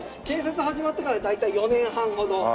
建設始まってから大体４年半ほど。